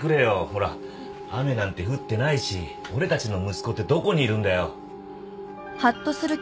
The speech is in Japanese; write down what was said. ほら雨なんて降ってないし俺たちの息子ってどこにいるんだよ